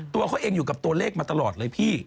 ตัวเขาเองอยู่กับตัวเลขมาตลอดเลยพี่